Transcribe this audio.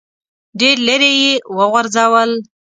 ډېر لیرې یې وغورځول.